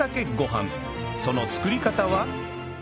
その作り方は？